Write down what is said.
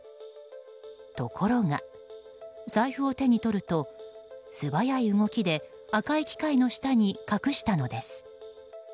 ところが、財布を手に取ると素早い動きで赤い機械の下に隠したのです。